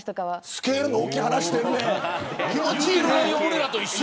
スケールの大きい話してるね。